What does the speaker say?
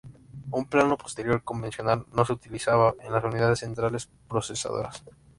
Un plano posterior convencional no se utilizaba en las unidades centrales procesadoras.